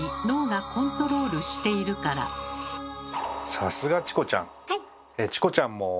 さすがチコちゃん！